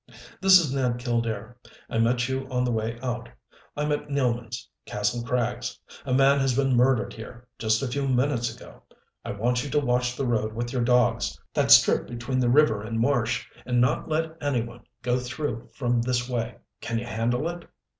"This is Ned Killdare I met you on the way out. I'm at Nealman's Kastle Krags. A man has been murdered here, just a few minutes ago! I want you to watch the road with your dogs that strip between the river and marsh, and not let any one go through from this way. Can you handle it?"